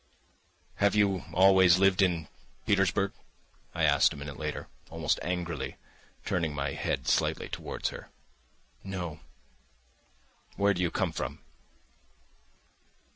"Have you always lived in Petersburg?" I asked a minute later, almost angrily, turning my head slightly towards her. "No." "Where do you come from?"